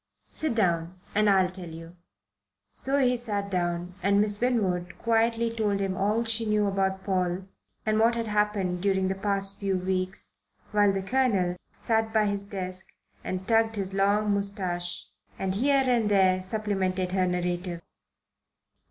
"Sit down, and I'll tell you." So he sat down and Miss Winwood quietly told him all she knew about Paul and what had happened during the past few weeks, while the Colonel sat by his desk and tugged his long moustache and here and there supplemented her narrative.